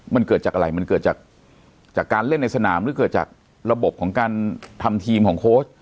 มันเกิดจากอะไรมันเกิดจากการเล่นในสนามหรือเกิดจากระบบของการทำทีมของโค้ช